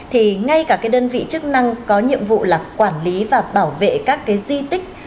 thì ngay cả cái đơn vị chức năng có nhiệm vụ là quản lý và bảo vệ các cái di tích